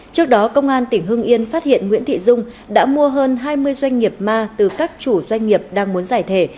trước đó công an tỉnh hưng yên phát hiện nguyễn thị dung đã mua hơn hai mươi doanh nghiệp ma từ các chủ doanh nghiệp đang muốn giải thể